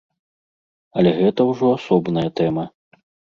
Але гэта ўжо асобная тэма.